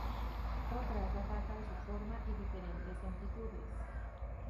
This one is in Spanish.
Otra es la falta de su forma y diferentes longitudes.